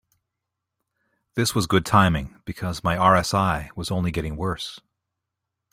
This was good timing, because my RSI was only getting worse.